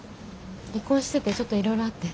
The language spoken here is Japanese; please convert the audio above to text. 離婚しててちょっといろいろあって。